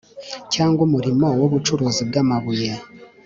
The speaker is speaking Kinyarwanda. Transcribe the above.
cyangwa umurimo wubucuruzi bwamabuye